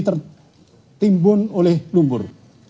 tertimbun oleh lumpur